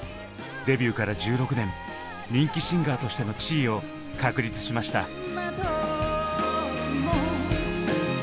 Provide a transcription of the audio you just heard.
デビューから１６年人気シンガーとしての地位を確立しました。